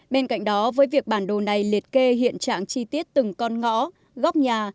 bên cạnh đó với việc bản đồ này liệt kê hiện trạng chi tiết từng con ngõ góc nhà